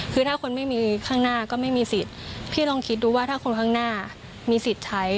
คือถ้าคนไม่มีข้างหน้าก็ไม่มีสิทธิ์พี่ลองคิดดูว่าถ้าคนข้างหน้ามีสิทธิ์ใช้